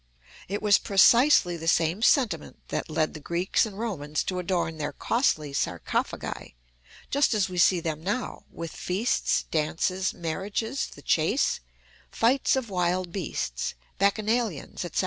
It was precisely the same sentiment that led the Greeks and Romans to adorn their costly sarcophagi, just as we see them now, with feasts, dances, marriages, the chase, fights of wild beasts, bacchanalians, &c.